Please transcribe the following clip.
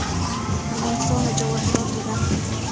افغانستان له جواهرات ډک دی.